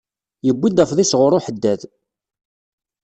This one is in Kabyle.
Yewwi-d afḍis ɣur uḥeddad.